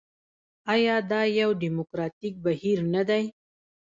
آیا دا یو ډیموکراټیک بهیر نه دی؟